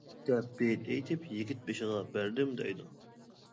دەپ بېيىت ئېيتىپ «يىگىت بېشىغا بەردىم» دەيدۇ.